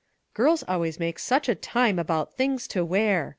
" Girls always make such a time about ' things to wear